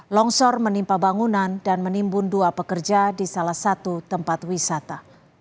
longsor menimpa bangunan dan menimbun dua pekerja di salah satu tempat wisata